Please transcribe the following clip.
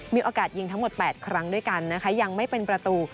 มีโอกาสยิงทั้งหมด๘ครั้งด้วยกันนะคะยังไม่เป็นประตู